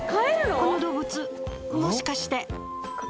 この動物もしかして。